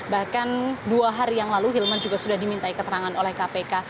bahkan dua hari yang lalu hilman juga sudah dimintai keterangan oleh kpk